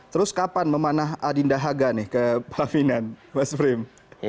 terus kapan memanah adinda haga nih ke pahaminan mas frim